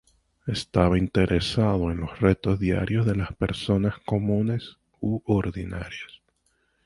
Estaba interesado en los retos diarios de las personas comunes u ordinarias.